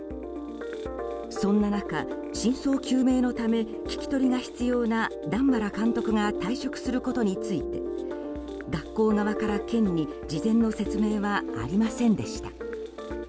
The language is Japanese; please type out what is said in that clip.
そんな中、真相究明のため聞き取りが必要な段原監督が退職することについて学校側から県に事前の説明はありませんでした。